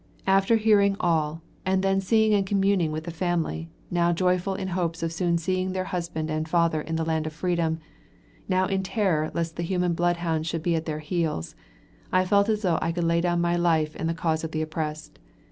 After hearing all, and then seeing and communing with the family, now joyful in hopes of soon seeing their husband and father in the land of freedom; now in terror lest the human blood hounds should be at their heels, I felt as though I could lay down my life in the cause of the oppressed.